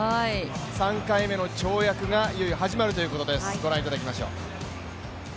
３回目の跳躍がいよいよ始まるということです。